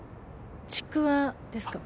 ちくわですか？